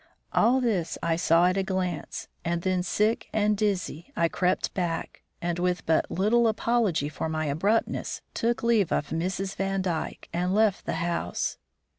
All this I saw at a glance, and then, sick and dizzy, I crept back, and, with but little apology for my abruptness, took leave of Mrs. Vandyke and left the house.